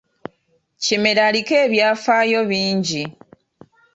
Kimera aliko ebyafaayo bingi.